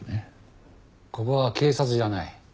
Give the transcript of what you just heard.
ここは警察じゃない。